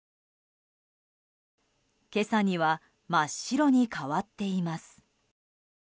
今朝には真っ白に変わっています。